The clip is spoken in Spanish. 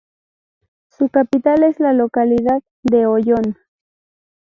Su capital es la localidad de Oyón.